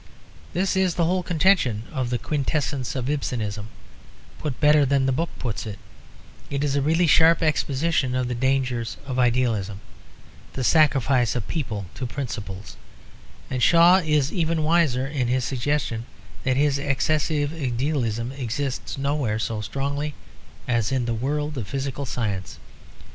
This is the whole contention of The Quintessence of Ibsenism, put better than the book puts it; it is a really sharp exposition of the dangers of "idealism," the sacrifice of people to principles, and Shaw is even wiser in his suggestion that this excessive idealism exists nowhere so strongly as in the world of physical science.